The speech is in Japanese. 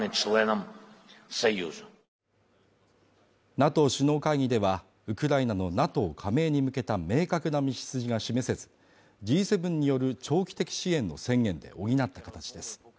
ＮＡＴＯ首脳会議では、ウクライナのＮＡＴＯ加盟に向けた明確な道筋が示せずＧ７による長期的支援の宣言で補った形です。